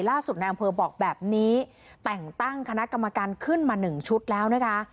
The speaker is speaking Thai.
ล่าสุดนายอำเภอบอกแบบนี้แต่งตั้งคณะกรรมการขึ้นมา๑ชุดแล้วนะคะ